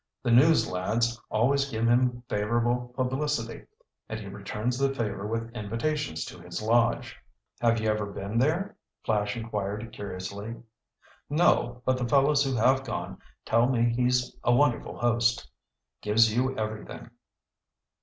The news lads always give him favorable publicity, and he returns the favor with invitations to his lodge." "Have you ever been there?" Flash inquired curiously. "No, but the fellows who have gone tell me he's a wonderful host. Gives you everything."